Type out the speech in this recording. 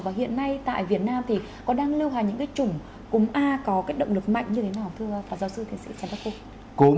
và hiện nay tại việt nam thì có đang lưu hành những cái chủng cúm a có cái động lực mạnh như thế nào thưa phật giáo sư thiền sĩ trần đắc cung